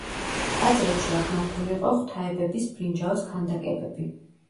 ტაძრებში აღმართული იყო ღვთაებების ბრინჯაოს ქანდაკებები.